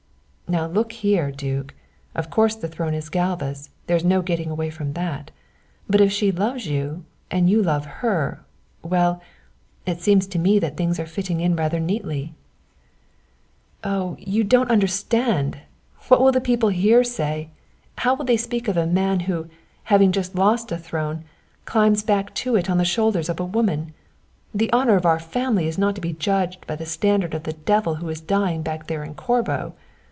"Now, look here, duke: of course the throne is Galva's, there's no getting away from that, but if she loves you and you love her well it seems to me that things are fitting in rather neatly." "Oh, you don't understand. What will the people here say? How will they speak of a man who, having lost a throne, climbs back to it on the shoulders of a woman? The honour of our family is not to be judged by the standard of the devil who is dying back there in Corbo."